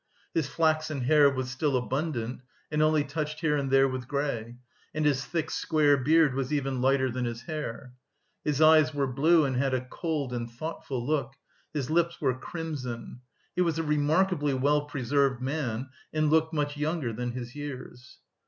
His flaxen hair was still abundant, and only touched here and there with grey, and his thick square beard was even lighter than his hair. His eyes were blue and had a cold and thoughtful look; his lips were crimson. He was a remarkedly well preserved man and looked much younger than his years.